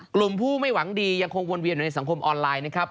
กลุ่มผู้ไม่หวังดียังคงวนเวียนอยู่ในสังคมออนไลน์นะครับ